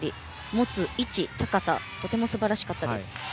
持つ位置、高さとてもすばらしかったです。